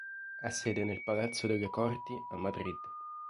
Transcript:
Ha sede nel Palazzo delle Corti a Madrid.